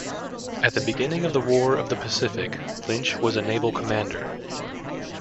At the beginning of the War of the Pacific, Lynch was a Naval Commander.